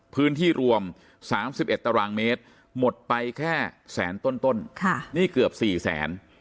พื้นที่รวม๓๑ตารางเมตรหมดไปแค่แสนต้นนี่เกือบ๔แสน